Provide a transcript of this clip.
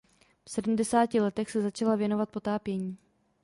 V sedmdesáti letech se začala věnovat potápění.